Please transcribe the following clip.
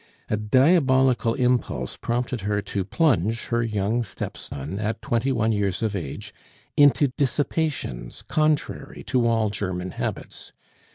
A diabolical impulse prompted her to plunge her young stepson, at twenty one years of age, into dissipations contrary to all German habits.